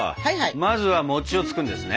まずは餅をつくんですね？